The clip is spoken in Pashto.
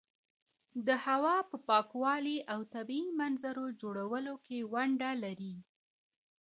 د هوا په پاکوالي او طبیعي منظرو جوړولو کې ونډه لري.